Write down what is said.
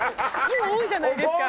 今多いじゃないですか。